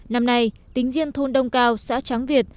năm nay tính riêng thôn đông cao xã tráng việt